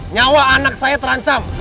nyawa anak saya terancam